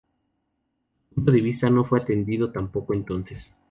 Su punto de vista no fue atendido tampoco entonces.